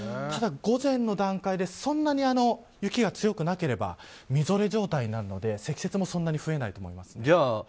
ただ、午前の段階でそんなに雪が強くなければみぞれ状態なので積雪もそんなに増えないと思います。